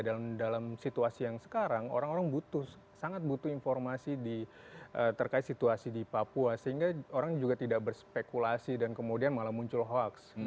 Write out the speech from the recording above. dalam situasi yang sekarang orang orang butuh sangat butuh informasi terkait situasi di papua sehingga orang juga tidak berspekulasi dan kemudian malah muncul hoax